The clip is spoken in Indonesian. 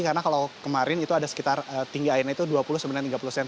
karena kalau kemarin itu ada sekitar tinggi airnya itu dua puluh tiga puluh cm